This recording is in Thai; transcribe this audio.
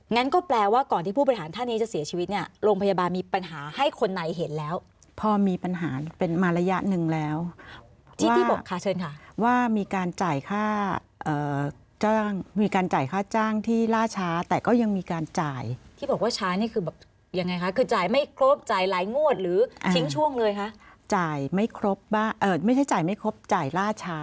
งั้นก็แปลว่าก่อนที่ผู้บริหารท่านนี้จะเสียชีวิตเนี่ยโรงพยาบาลมีปัญหาให้คนไหนเห็นแล้วพอมีปัญหาเป็นมาระยะหนึ่งแล้วที่ที่บอกค่ะเชิญค่ะว่ามีการจ่ายค่ามีการจ่ายค่าจ้างที่ล่าช้าแต่ก็ยังมีการจ่ายที่บอกว่าช้านี่คือแบบยังไงคะคือจ่ายไม่ครบจ่ายหลายงวดหรือทิ้งช่วงเลยคะจ่ายไม่ครบไม่ใช่จ่ายไม่ครบจ่ายล่าช้า